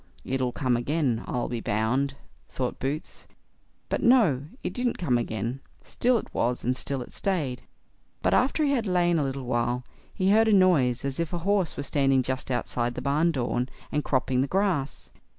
"It'll come again, I'll be bound", thought Boots; but no, it didn't come again; still it was, and still it stayed; but after he had lain a little while, he heard a noise as if a horse were standing just outside the barn door, and cropping the grass.